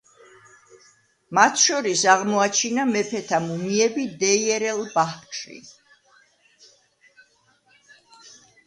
მათ შორის, აღმოაჩინა მეფეთა მუმიები დეირ-ელ-ბაჰრში.